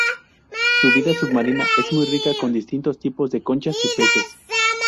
Su vida submarina es muy rica, con distintos tipos de conchas y peces.